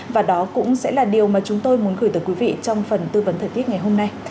và đó cũng sẽ là điều mà chúng tôi muốn gửi tới quý vị trong phần tư vấn thời tiết ngày hôm nay